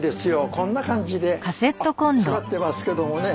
こんな感じで使ってますけどもね。